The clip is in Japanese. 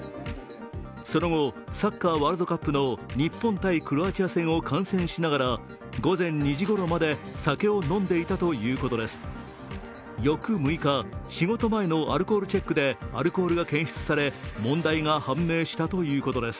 その後サッカーワールドカップの日本×クロアチアを観戦しながら午前２時ごろまで酒を飲んでいたということです。